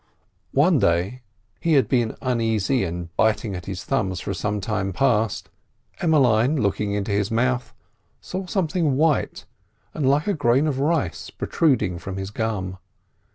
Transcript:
One day—he had been uneasy and biting at his thumbs for some time past—Emmeline, looking into his mouth, saw something white and like a grain of rice protruding from his gum.